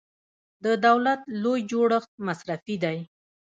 د دولت لوی جوړښت مصرفي دی.